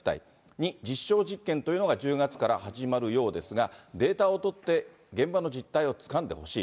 ２、実証実験というのが１０月から始まるようですが、データを取って現場の実態をつかんでほしい。